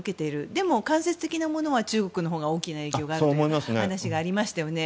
でも、間接的には中国のほうが大きいという話がありましたよね。